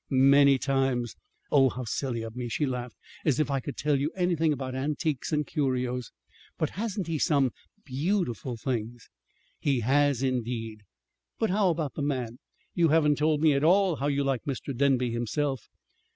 "Many times." "Oh, how silly of me!" she laughed. "As if I could tell you anything about antiques and curios! But hasn't he some beautiful things?" "He has, indeed. But how about the man? You haven't told me at all how you like Mr. Denby himself."